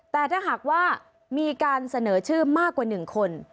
แต่ถ้าหากว่ามีการเสนอชื่อมากกว่า๑คน